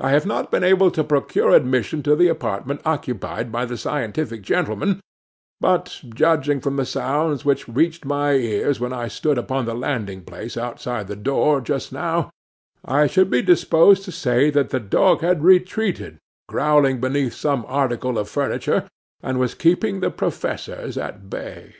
I have not been able to procure admission to the apartment occupied by the scientific gentlemen; but, judging from the sounds which reached my ears when I stood upon the landing place outside the door, just now, I should be disposed to say that the dog had retreated growling beneath some article of furniture, and was keeping the professors at bay.